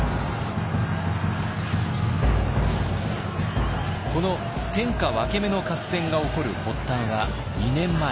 この天下分け目の合戦が起こる発端は２年前。